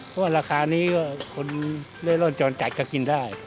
เพราะราคานี้คุณเหล่อแจ้งกดกินได้